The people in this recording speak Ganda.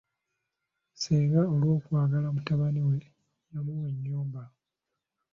Ssenga olw'okwagala mutabani we yamuwa ennyumba.